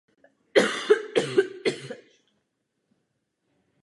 Byly zde používány železné nástroje a zbraně.